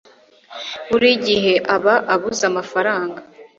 Buri gihe aba abuze amafaranga